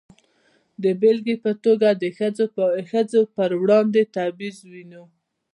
د بېلګې په توګه د ښځو پر وړاندې تبعیض وینو.